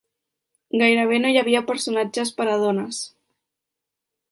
Gairebé no hi havia personatges per a dones.